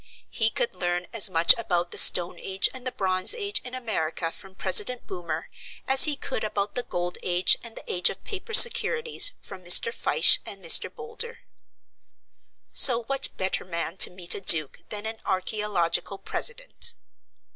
He could learn as much about the stone age and the bronze age, in America, from President Boomer, as he could about the gold age and the age of paper securities from Mr. Fyshe and Mr. Boulder. So what better man to meet a duke than an archaeological president?